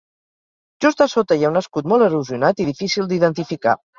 Just a sota hi ha un escut molt erosionat i difícil d'identificar.